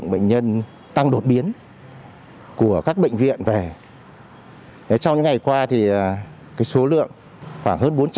bệnh nhân tăng đột biến của các bệnh viện về trong những ngày qua thì số lượng khoảng hơn bốn trăm linh